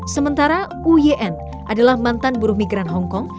sementara uyn adalah mantan buruh migran hongkong